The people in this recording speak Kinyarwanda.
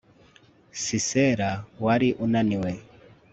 sisera wari unaniwe